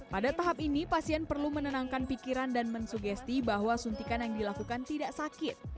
pada tahap ini pasien perlu menenangkan pikiran dan mensugesti bahwa suntikan yang dilakukan tidak sakit